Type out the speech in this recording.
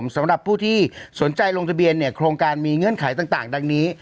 สำหรับผู้ที่สนใจลงทะเบียนเนี่ยโครงการมีเงื่อนไขต่างดังนี้